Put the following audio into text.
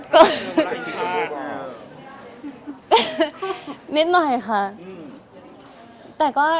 ก็ว่าเป็นประวัติศาสตร์เป็นเวลาอีกครั้ง